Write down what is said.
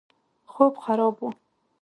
خوب خراب وو.